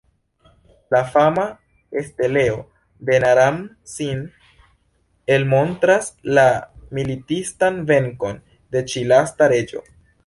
La fama steleo de Naram-Sin elmontras la militistan venkon de ĉi lasta reĝo.